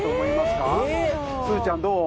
すずちゃんどう？